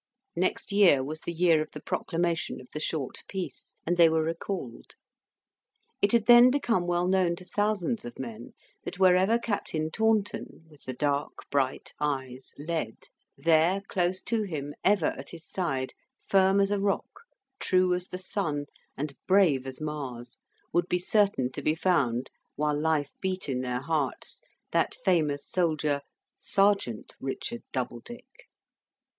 Next year was the year of the proclamation of the short peace, and they were recalled. It had then become well known to thousands of men, that wherever Captain Taunton, with the dark, bright eyes, led, there, close to him, ever at his side, firm as a rock, true as the sun, and brave as Mars, would be certain to be found, while life beat in their hearts, that famous soldier, Sergeant Richard Doubledick.